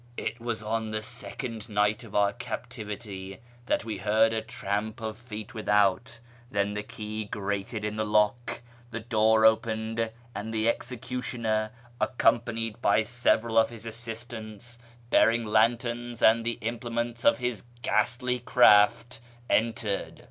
" It was on the second night of our captivity that we heard a tramp of feet without ; then the key grated in the lock, the door opened, and the executioner, accompanied by several of his assistants, bearing lanterns and the implements of his ghastly craft, entered.